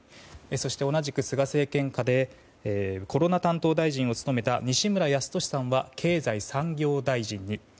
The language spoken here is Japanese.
そして、同じく菅政権下でコロナ担当大臣を務めた西村康稔さんは経済産業大臣に。